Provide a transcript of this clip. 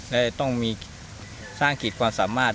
และจะต้องมีสร้างกิจความสามารถ